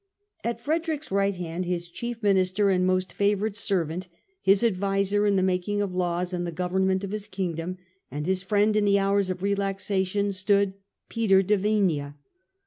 ' At Frederick's right hand, his chief minister and most favoured servant, his adviser in the making of laws and the government of his Kingdom and his friend in the hours of relaxation, stood Peter de Vinea.